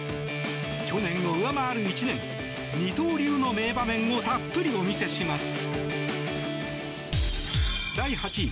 去年を上回る１年二刀流の名場面をたっぷりお見せします。